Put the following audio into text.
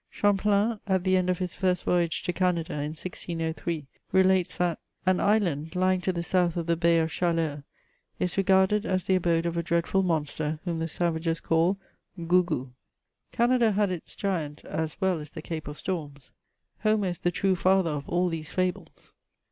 Champlain, at the end of his first voyage to Canada, in 1603, relates, that '^ an island, lying to the south of the Bay of Chaleurs, is regarded as the abode of a dreadful monster, whom the savages call gougou. Canada had its giant as well as the Cape of Storms. Homer is the true father of all these fables.